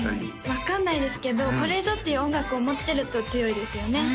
分かんないですけどこれぞっていう音楽を持ってると強いですよね